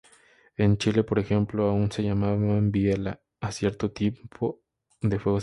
En Chile, por ejemplo, aún se llaman "biela" a cierto tipo de fuegos artificiales.